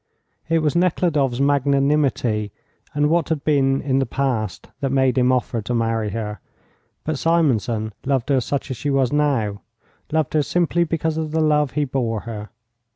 It was Nekhludoff's magnanimity and what had been in the past that made him offer to marry her, but Simonson loved her such as she was now, loved her simply because of the love he bore her.